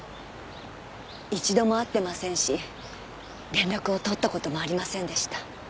一度も会ってませんし連絡を取った事もありませんでした。